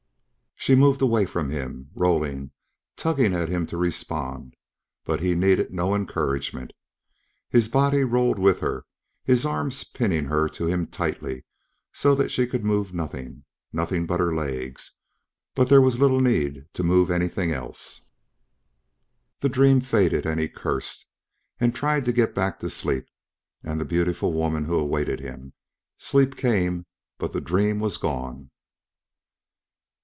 She moved away from him, rolling, tugging at him to respond, but he needed no encouragement. His body rolled with her, his arms pinning her to him tightly so that she could move nothing ... nothing but her legs, but then there was little need to move anything else... The dream faded and he cursed, and tried to get back to sleep and the beautiful woman who awaited him. Sleep came, but the dream was gone.